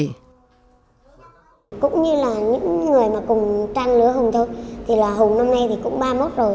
cũng như là những người mà cùng trăn lứa hùng thôi